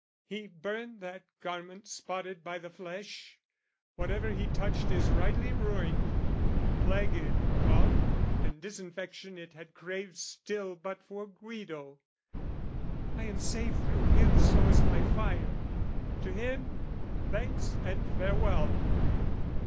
He burned that garment spotted by the flesh! Whatever he touched is rightly ruined: plague It caught, and disinfection it had craved Still but for Guido; I am saved through him So as by fire; to him thanks and farewell!